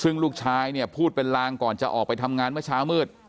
ซึ่งลูกชายเนี่ยพูดเป็นลางก่อนจะออกไปทำงานเมื่อเช้ามืด